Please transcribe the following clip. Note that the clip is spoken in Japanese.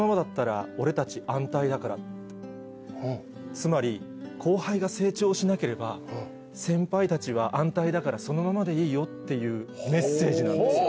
つまり後輩が成長しなければ先輩たちは安泰だからそのままでいいよっていうメッセージなんですよ。